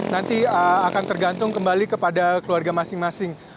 nanti akan tergantung kembali kepada keluarga masing masing